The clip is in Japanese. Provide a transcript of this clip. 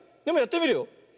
でもやってみるよ。